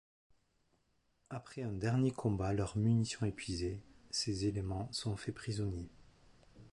Après un dernier combat, leurs munitions épuisées, ces éléments sont faits prisonniers.